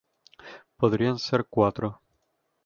Podrían ser cuatro.